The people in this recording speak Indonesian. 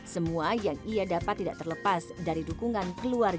semua yang ia dapat tidak terlepas dari dukungan keluarga